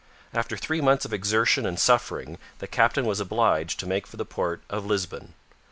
After three months of exertion and suffering the captain was obliged to make for the port of Lisbon.